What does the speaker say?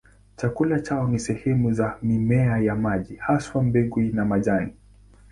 Chakula chao ni sehemu za mimea ya maji, haswa mbegu na majani.